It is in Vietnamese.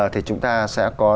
thì chúng ta sẽ có